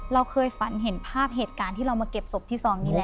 เราเคยฝันเห็นภาพเหตุการณ์ที่เรามาเก็บศพที่ซองนี้แล้ว